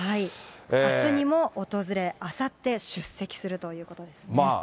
あすにも訪れ、あさって出席するということですね。